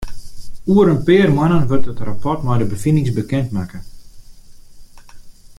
Oer in pear moannen wurdt it rapport mei de befinings bekend makke.